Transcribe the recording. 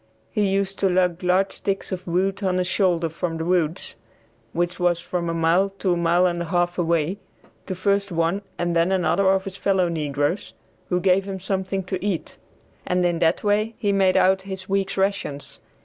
He used to lug large sticks of wood on his shoulders from the woods, which was from a mile to a mile and a half away, to first one and then another of his fellow negroes, who gave him something to eat; and in that way he made out his week's rations.